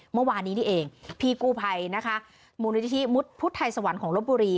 เมื่อวานี้นี่เองพี่กูภัยนะคะมุฒิที่มุฒิพุธไทยสวรรค์ของรบบุรี